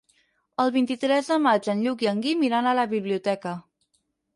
El vint-i-tres de maig en Lluc i en Guim iran a la biblioteca.